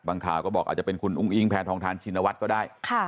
บางข่าวบอกในการเป็นคุณอุ้งอิ้งแผนทองทานชินวัตก์ก็ได้